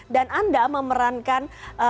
dan anda memerankan